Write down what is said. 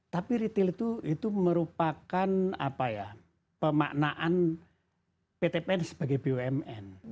tapi retail itu merupakan pemaknaan pt pn sebagai bumn